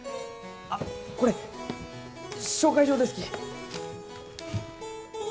あこれ紹介状ですき！